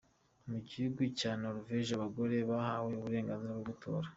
Mu gihugu cya Norvege abagore bahawe uburenganzira bwo gutora.